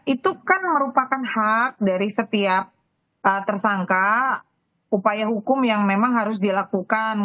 itu kan merupakan hak dari setiap tersangka upaya hukum yang memang harus dilakukan